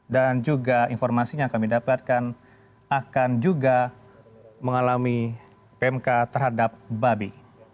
dan juga informasinya yang kami dapatkan akan juga mengalami pmk terhadap babi